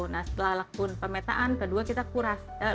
nah setelah lakuin pemetaan kedua kita kurang